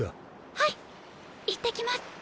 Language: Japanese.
はい行ってきます。